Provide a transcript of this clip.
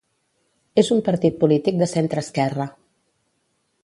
És un partit polític de centreesquerra.